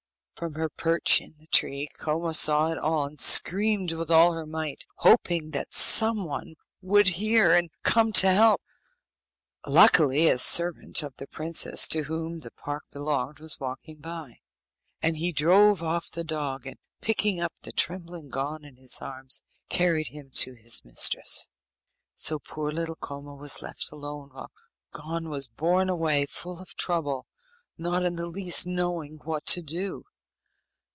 From her perch in the tree Koma saw it all, and screamed with all her might, hoping that some one would hear, and come to help. Luckily a servant of the princess to whom the park belonged was walking by, and he drove off the dog, and picking up the trembling Gon in his arms, carried him to his mistress. So poor little Koma was left alone, while Gon was borne away full of trouble, not in the least knowing what to do.